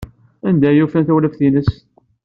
Anda ay ufan tawlaft-nnes?